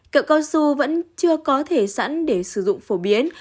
cậu cao su vẫn chưa có thể sẵn để sử dụng phổ biến